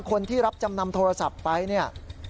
คนที่รับจำนำโทรศัพท์ไป